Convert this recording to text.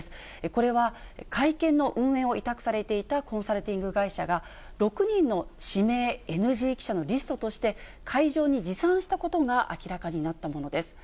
これは会見の運営を委託されていたコンサルティング会社が、６人の指名ＮＧ記者のリストとして、会場に持参したことが明らかになったものです。